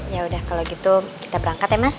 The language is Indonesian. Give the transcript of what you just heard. yaudah kalo gitu kita berangkat ya mas